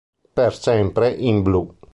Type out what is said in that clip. Per sempre in blu.